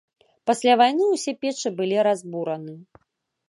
Пасля вайны ўсе печы былі разбураны.